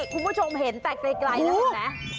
คุณผู้ชมเห็นแต่ใกล้เลยนะ